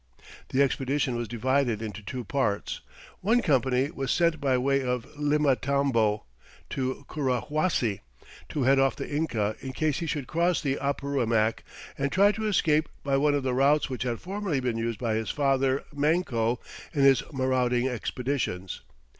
The expedition was divided into two parts. One company was sent by way of Limatambo to Curahuasi, to head off the Inca in case he should cross the Apurimac and try to escape by one of the routes which had formerly been used by his father, Manco, in his marauding expeditions.